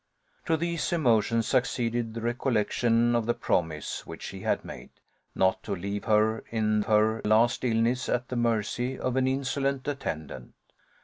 To these emotions succeeded the recollection of the promise which she had made, not to leave her in her last illness at the mercy of an insolent attendant.